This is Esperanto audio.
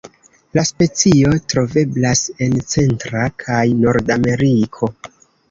La specio troveblas en Centra kaj Nordameriko.